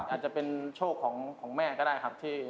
อาจจะเป็นโชคของแม่ก็ได้ครับ